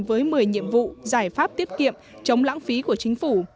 với một mươi nhiệm vụ giải pháp tiết kiệm chống lãng phí của chính phủ